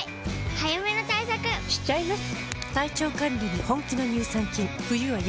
早めの対策しちゃいます。